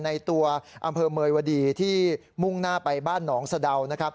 ในตัวอำเภอเมยวดีที่มุ่งหน้าไปบ้านหนองสะดาวนะครับ